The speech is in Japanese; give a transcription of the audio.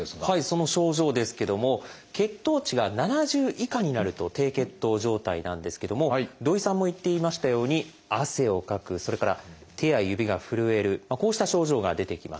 その症状ですけども血糖値が７０以下になると低血糖状態なんですけども土井さんも言っていましたように汗をかくそれから手や指が震えるこうした症状が出てきます。